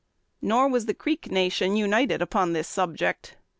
Nor was the Creek nation united upon this subject.